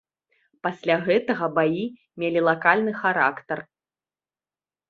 Пасля гэтага баі мелі лакальны характар.